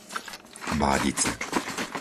Bádice